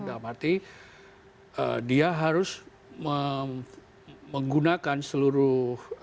dalam arti dia harus menggunakan sesuatu yang lebih tegas